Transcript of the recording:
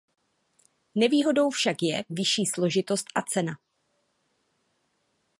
Nevýhodou však je vyšší složitost a cena.